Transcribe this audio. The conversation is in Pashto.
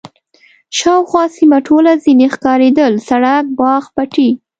شاوخوا سیمه ټوله ځنې ښکارېدل، سړک، باغ، پټی.